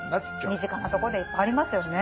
身近なところでいっぱいありますよね